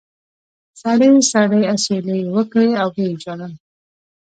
سړې سړې اسوېلې یې وکړې او و یې ژړل.